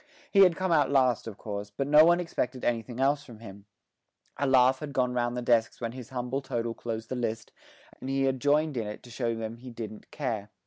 He had come out last of course, but no one expected anything else from him; a laugh had gone round the desks when his humble total closed the list, and he had joined in it to show them he didn't care.